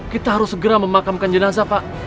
kita harus segera memakamkan jenazah pak